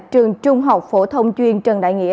trường trung học phổ thông chuyên trần đại nghĩa